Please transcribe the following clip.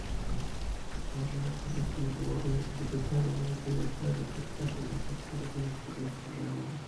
Być może korzystniej byłoby, gdyby pewien rodzaj reformy traktatu został wprowadzony przed rozszerzeniem?